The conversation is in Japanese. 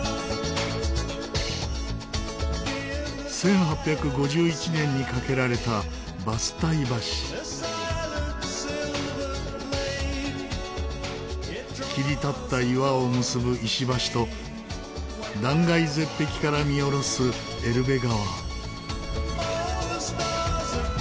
１８５１年に架けられた切り立った岩を結ぶ石橋と断崖絶壁から見下ろすエルベ川。